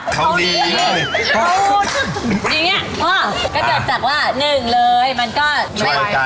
ก็ไม่เฉยอะแม่